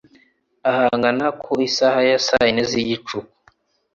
ahagana ku isaha ya saa yine z'igicuku